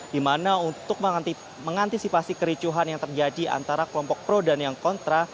di mana untuk mengantisipasi kericuhan yang terjadi antara kelompok pro dan yang kontra